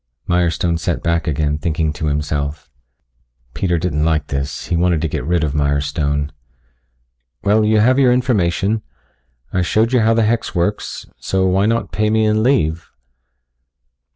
Mirestone sat back again thinking to himself. Peter didn't like this. He wanted to get rid of Mirestone. "Well, you have your information. I showed you how the hex works. So, why not pay me and leave?"